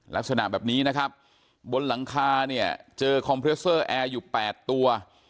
ลักษณะแบบนี้นะครับบนหลังคาเนี่ยเจอคอมเพรสเซอร์แอร์อยู่๘ตัว